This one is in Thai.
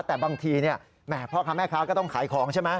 แต่บางทีพ่อค้าแม่ค้าก็ต้องขายของใช่ไหม